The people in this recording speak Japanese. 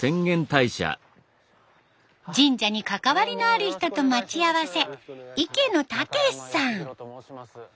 神社に関わりのある人と待ち合わせ。